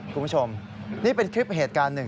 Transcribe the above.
คุณผู้ชมนี่เป็นคลิปเหตุการณ์หนึ่ง